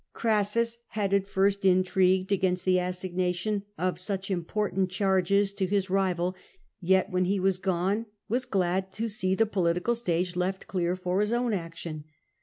Orassiis had at first intrigued against the assignation of such important charges to his rival, yet, when he was gone, was glad to see the political stage left clear for his own action.